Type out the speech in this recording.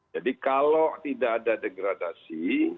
jadi kalau tidak ada degradasi